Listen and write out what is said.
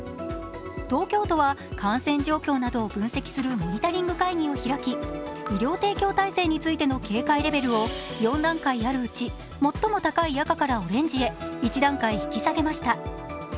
東京都は感染状況などを分析するモニタリング会議を開き、医療提供体制についての警戒レベルを４段階あるうち最も高い赤からオレンジへ一段階引き下げました。